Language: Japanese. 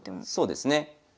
そうですね。